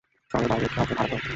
শহরের বাইরের কাউকে ভাড়া কর।